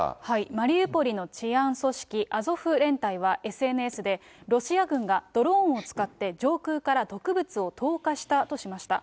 マリウポリの治安組織、アゾフ連隊はＳＮＳで、ロシア軍がドローンを使って、上空から毒物を投下したとしました。